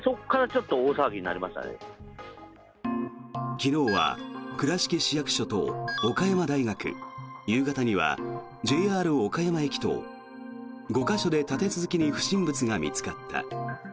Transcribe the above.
昨日は倉敷市役所と岡山大学夕方にはＪＲ岡山駅と５か所で立て続けに不審物が見つかった。